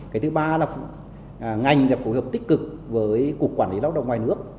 cái thứ ba là ngành là phù hợp tích cực với cục quản lý lao đồng ngoài nước